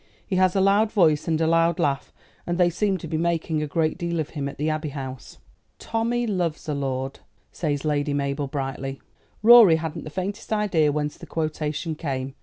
"He has a loud voice and a loud laugh, and they seem to be making a great deal of him at the Abbey House." "'Tommy loves a lord,'" says Lady Mabel brightly. Rorie hadn't the faintest idea whence the quotation came.